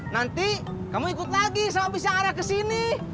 nanti kamu ikut lagi sama bis yang arah kesini